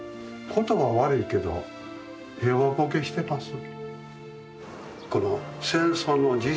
言葉悪いけど平和ボケしてます。